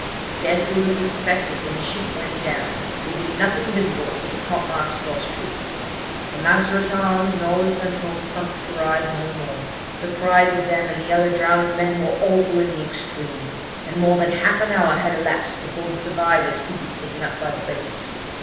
'Scarcely was this effected when the ship went down, leaving nothing visible but the top mast cross trees. The master at arms and all the sentinels sunk to rise no more. The cries of them and the other drowning men were awful in the extreme; and more than half an hour had elapsed before the survivors could be taken up by the boats.